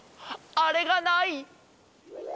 あれがない！